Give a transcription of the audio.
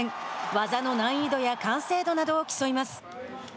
技の難易度や完成度などを競います。